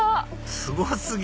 すご過ぎ！